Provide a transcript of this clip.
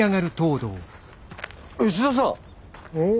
石田さん。